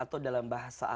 atau dalam bahasa arabnya